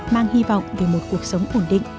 mang hy vọng về một cuộc sống ổn định